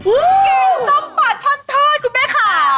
เวงส้มปลาชอนเทอดคุณแม่ค่ะ